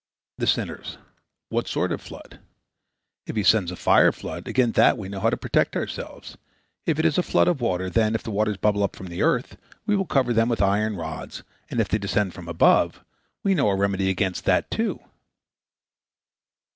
The sinners: "What sort of flood? If He sends a fire flood, against that we know how to protect ourselves. If it is a flood of waters, then, if the waters bubble up from the earth, we will cover them with iron rods, and if they descend from above, we know a remedy against that, too."